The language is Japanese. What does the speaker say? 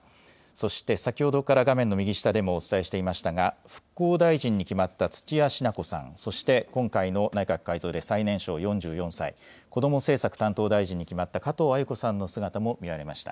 そして先ほどから画面の右下でもお伝えしていましたが復興大臣に決まった土屋品子さん、そして今回の内閣改造で最年少４４歳、こども政策担当大臣に決まった加藤鮎子さんの姿も見られました。